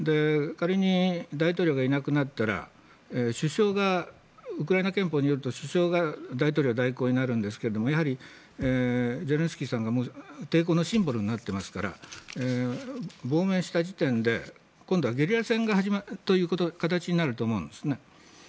仮に、大統領がいなくなったらウクライナ憲法によると首相が大統領代行になるんですけどもやはりゼレンスキーさんが抵抗のシンボルになっていますから亡命した時点で今度はゲリラ戦が始まる形になると思うんですね。